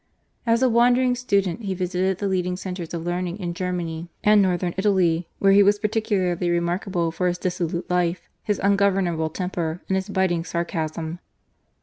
As a wandering student he visited the leading centres of learning in Germany and Northern Italy, where he was particularly remarkable for his dissolute life, his ungovernable temper, and his biting sarcasm.